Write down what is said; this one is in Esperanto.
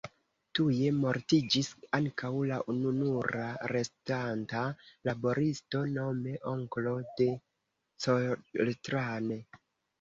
Tuje mortiĝis ankaŭ la ununura restanta laboristo, nome onklo de Coltrane.